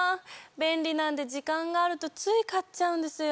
便利なんで時間があるとつい買っちゃうんですよ。